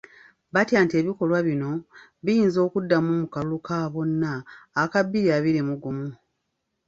Batya nti ebikolwa bino, biyinza okuddamu mu kalulu ka bonna aka bbiri abiri mu gumu.